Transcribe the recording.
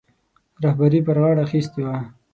رهبري پر غاړه اخیستې وه.